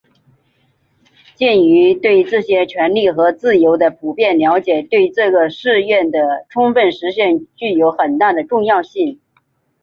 鉴于对这些权利和自由的普遍了解对于这个誓愿的充分实现具有很大的重要性